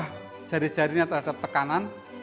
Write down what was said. ini akan berubah jari jarinya terhadap tekanan